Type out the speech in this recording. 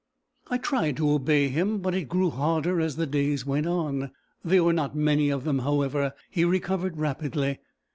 I tried to obey him, but it grew harder as the days went on. There were not many of them, however; he recovered rapidly.